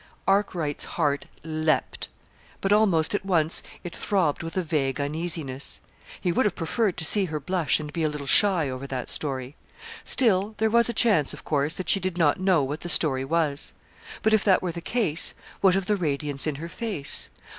Arkwright's heart leaped; but almost at once it throbbed with a vague uneasiness. He would have preferred to see her blush and be a little shy over that story. Still there was a chance, of course, that she did not know what the story was. But if that were the case, what of the radiance in her face?